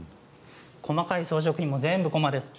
細かい装飾品も全部こまです。